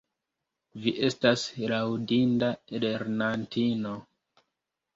Vi estas laŭdinda lernantino!